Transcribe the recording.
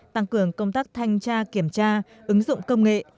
tăng cường công tác thanh tra kiểm tra ứng dụng công nghệ